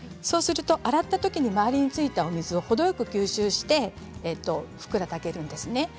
洗ったときに周りについたお水を程よく吸収してふっくら炊けるんですね。